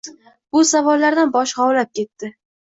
Bu savollardan boshi g’ovlab ketdi.